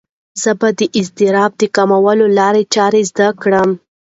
زه به د اضطراب د کمولو لارې چارې زده کړم.